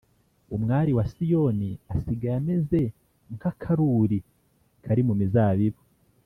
Umwari wa Siyoni asigaye ameze nk’akaruri kari mu mizabibu,